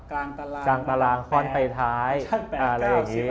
กลางตารางข้อนไปท้ายอะไรอย่างนี้